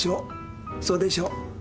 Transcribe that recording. そうでしょう？